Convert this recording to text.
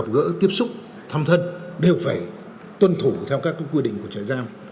gỡ tiếp xúc thăm thân đều phải tuân thủ theo các quy định của trại giam